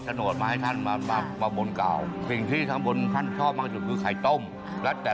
ส่วนมากจะเป็นสิ่งพวกนี้ได้ว่ามาแก้บนไม่ค่ะ